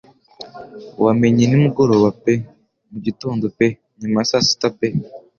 Wamenye nimugoroba pe mugitondo pe nyuma ya saa sita pe